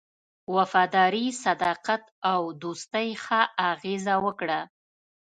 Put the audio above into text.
وفاداري، صداقت او دوستی ښه اغېزه وکړه.